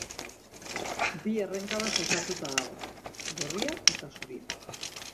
Bi errenkadaz osatuta dago: gorria eta zuria.